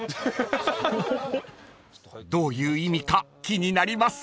［どういう意味か気になります］